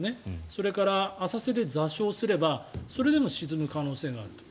それから浅瀬で座礁すればそれでも沈む可能性があると。